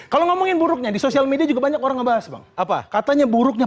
kalau ngomongin buruknya di sosial media juga banyak orang ngebahas bang apa katanya buruknya